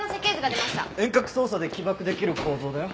遠隔操作で起爆出来る構造だよ。